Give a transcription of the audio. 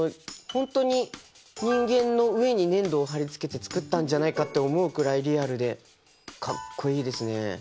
本当に人間の上に粘土を貼り付けて作ったんじゃないかって思うくらいリアルでかっこいいですね。